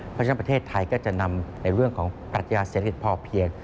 เพราะฉะนั้นประเทศไทยก็จะนำในเรื่องของปรัชญาเศรษฐกิจพอเพียง